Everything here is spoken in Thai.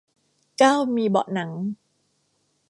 เก้ามีเบาะหนัง